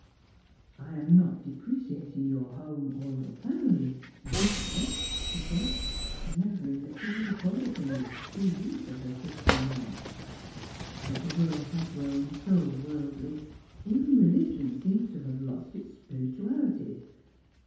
" I am not depreciating your home or your family, Elizabeth," he said, remembering that sh e had accorded him this free use of her Christian name ;" but the world has grown so worldly, even religion seems to have lost its spirituc>.lity.